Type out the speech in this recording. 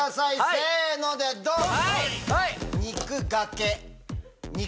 せのでドン！